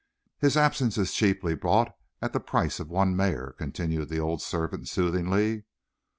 "His absence is cheaply bought at the price of one mare," continued the old servant soothingly.